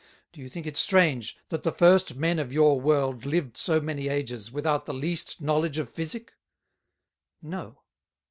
Do you think it strange, that the first Men of your World lived so many Ages without the least Knowledge of Physick? No.